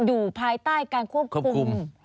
อยู่ภายใต้การควบคุม